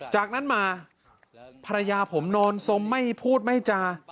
จากนั้นมาภรรยาผมนอนสมไม่พูดไม่จา